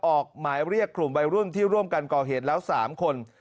ออกหมายเรียกกลุ่มวัยรุ่นที่ร่วมกันก่อเหตุแล้ว๓คน